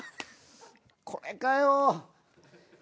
これかよ。